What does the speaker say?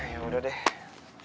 ya udah deh